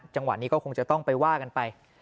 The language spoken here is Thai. จังหวะนี้ก็คงจะต้องไปว่ากันไป